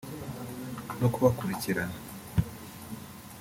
no kubakurikirana